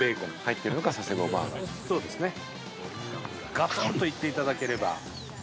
ガツンといっていただければ。